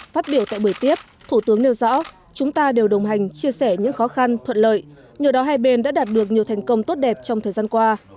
phát biểu tại buổi tiếp thủ tướng nêu rõ chúng ta đều đồng hành chia sẻ những khó khăn thuận lợi nhờ đó hai bên đã đạt được nhiều thành công tốt đẹp trong thời gian qua